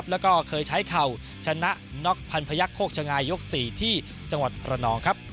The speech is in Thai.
และเคยใช้เข่าชนะพันภยักษ์โคกชะงายยก๔ที่จังหวัดประนอง